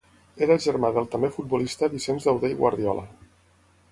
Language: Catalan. Era germà del també futbolista Vicenç Dauder i Guardiola.